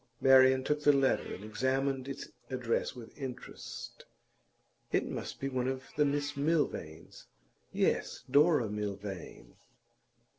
Marian took the letter and examined its address with interest. 'It must be one of the Miss Milvains. Yes; Dora Milvain.